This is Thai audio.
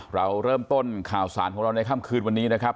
เราเริ่มต้นข่าวสารของเราในค่ำคืนวันนี้นะครับ